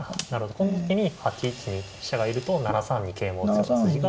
この時に８一に飛車がいると７三に桂馬を打つような筋が。